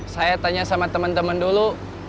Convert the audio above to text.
saya tanya sama temen temen dulu